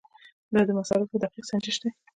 دا د مصارفو دقیق سنجش دی.